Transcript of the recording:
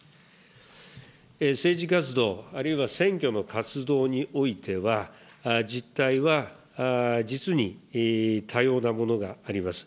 政治活動、あるいは選挙の活動においては、実態は実に多様なものがあります。